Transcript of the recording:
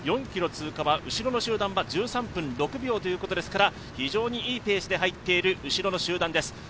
４ｋｍ通過は後ろの集団は１３分１６秒ということですから非常にいいペースで入っている後ろの集団です。